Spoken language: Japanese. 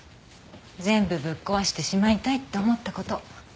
全部ぶっ壊してしまいたいって思ったこと。